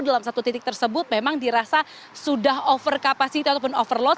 dalam satu titik tersebut memang dirasa sudah over capacity ataupun overload